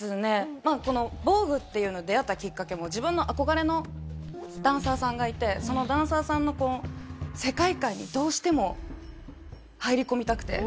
このヴォーグというのに出会ったきっかけも自分の憧れのダンサーさんがいてそのダンサーさんの世界観にどうしても入り込みたくて。